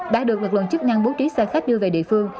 đã được lực lượng chức năng bố trí xe khách đưa về địa phương